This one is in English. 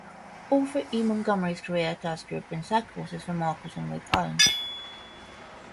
Alfred E. Montgomery's carrier task group and set course for Marcus and Wake Islands.